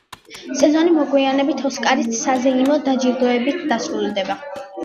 სეზონი მოგვიანებით, „ოსკარით“ საზეიმო დაჯილდოებით დასრულდება.